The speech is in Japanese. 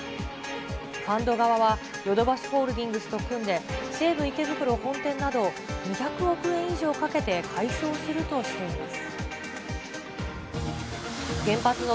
ファンド側は、ヨドバシホールディングスと組んで、西武池袋本店などを２００億円以上かけて改装するとしています。